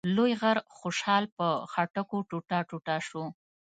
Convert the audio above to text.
لوی غر خوشحال په څټکو ټوټه ټوټه شو.